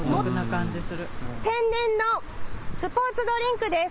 天然のスポーツドリンクです。